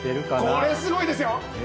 これすごいですよ。